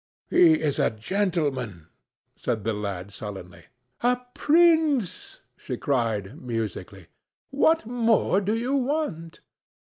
"He is a gentleman," said the lad sullenly. "A prince!" she cried musically. "What more do you want?"